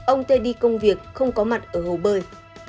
ông tê đi công việc không có mặt ở hồ bơi